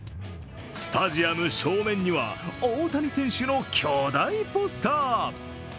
スタジアム正面には、大谷選手の巨大ポスター。